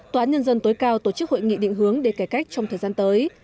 tòa án nhân dân tối cao tổ chức hội nghị định hướng để cải cách trong thời gian tới